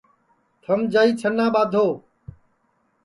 تھم جائی چھنا ٻادھو